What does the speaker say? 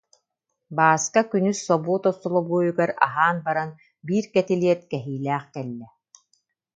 Бааска күнүс собуот остолобуойугар аһаан баран биир кэтилиэт кэһиилээх кэллэ